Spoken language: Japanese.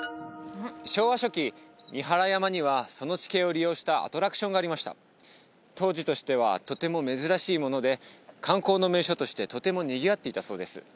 昭和初期三原山にはその地形を利用したアトラクションがありました当時としてはとても珍しいもので観光の名所としてとてもにぎわっていたそうです